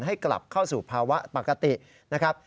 ให้กลับเข้าสู่ภาวะปกตินะครับ